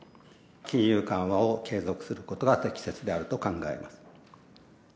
金融緩和を継続することが適切であると考えます。